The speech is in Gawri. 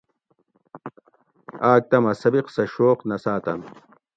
آۤک تہ مہ سبق سہ شوق نہ ساۤتن